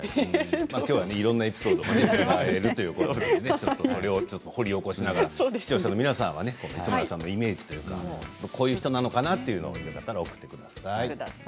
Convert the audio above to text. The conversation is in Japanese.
きょうはいろんなエピソードを聞けるということで掘り起こしながら視聴者の皆さんが磯村さんのイメージというかこういう人なのかなというのがあったら送ってください。